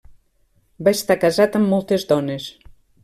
Va estar casat amb moltes dones.